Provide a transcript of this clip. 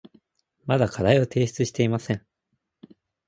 まだ課題を提出していません。